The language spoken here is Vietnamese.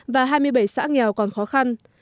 và hai mươi bảy xã nghèo còn khó khăn